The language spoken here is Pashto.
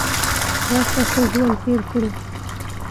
راشه ښه ژوند تیر کړو .